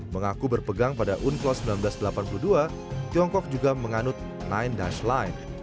mengaku berpegang pada unclos seribu sembilan ratus delapan puluh dua tiongkok juga menganut sembilan belas life